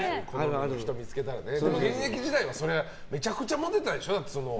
現役時代はめちゃくちゃモテたでしょ？